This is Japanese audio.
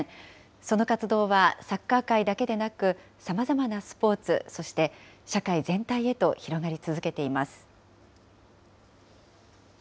その活動はサッカー界だけでなく、さまざまなスポーツ、そして社会全体へと広がり続けています。